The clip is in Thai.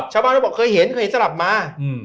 ชาวบ้านเขาบอกเคยเห็นเคยเห็นสลับมา